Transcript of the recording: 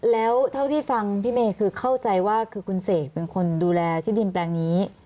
แล้วเท่าที่ฟังพี่เมย์คือเข้าใจว่าคือคุณเสกเป็นคนดูแลที่ดินแปลงนี้